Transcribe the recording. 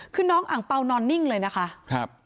คือน้องอังเปล่านอนนิ่งเลยนะคะ